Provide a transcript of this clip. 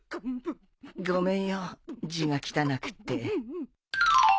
ごめんよ字が汚くて。